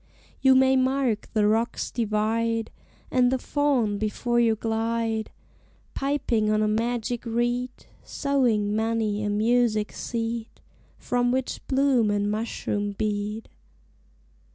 You may mark the rocks divide, And the faun before you glide, Piping on a magic reed, Sowing many a music seed, From which bloom and mushroom bead.